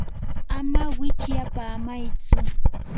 ama wichyapamaytsu.